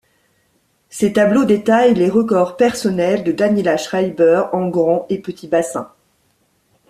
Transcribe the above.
Ces tableaux détaillent les records personnels de Daniela Schreiber en grand et petit bassin.